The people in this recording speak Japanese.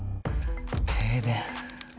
停電。